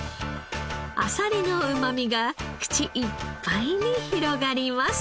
あさりのうまみが口いっぱいに広がります。